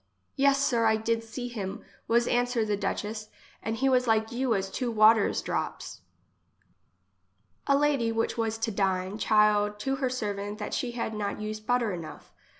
" Yes, sir, I did see him, was answer the duchess, and he was like you as two water's drops." 54 English as she is spoke. A Lady, which was to dine, chid to her servant that she not had used butter enough.